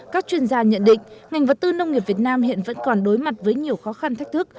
các chuyên gia nhận định ngành vật tư nông nghiệp việt nam hiện vẫn còn đối mặt với nhiều khó khăn thách thức